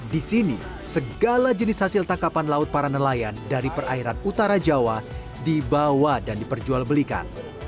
di sini segala jenis hasil tangkapan laut para nelayan dari perairan utara jawa dibawa dan diperjualbelikan